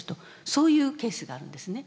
そういうケースがあるんですね。